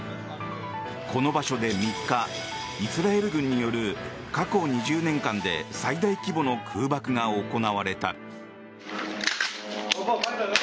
この場所で３日イスラエル軍による過去２０年間で最大規模の空爆が行われた。